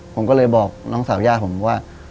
ผมก็เลยบอกน้องสาวย่าผมว่า